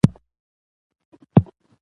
مېلې د خندا، مینوالۍ او یووالي جشنونه دي.